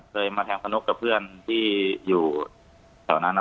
เคยมาแทงพนกกับเพื่อนที่อยู่แถวนั้น